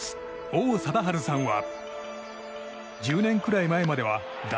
王貞治さんは。